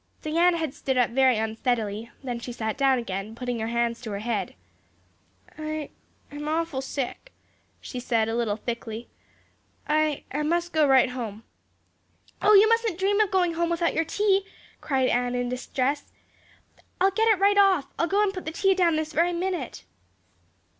Diana had stood up very unsteadily; then she sat down again, putting her hands to her head. "I'm I'm awful sick," she said, a little thickly. "I I must go right home." "Oh, you mustn't dream of going home without your tea," cried Anne in distress. "I'll get it right off I'll go and put the tea down this very minute."